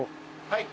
はい。